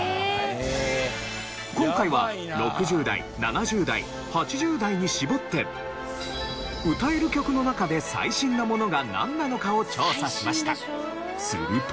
今回は６０代７０代８０代に絞って歌える曲の中で最新のものがなんなのかを調査しました。